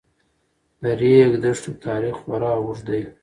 د ریګ دښتو تاریخ خورا اوږد دی.